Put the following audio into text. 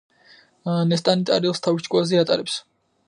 ნესტანი ტარიელს თავის ჭკუაზე ატარებს.